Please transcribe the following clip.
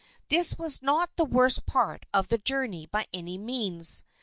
This was not the worst part of the journey by any means.